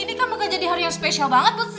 ini kan bakal jadi hari yang spesial banget buat sini